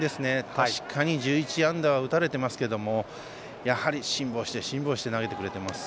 確かに１１安打は打たれていますけどやはり辛抱して、辛抱して投げてくれています。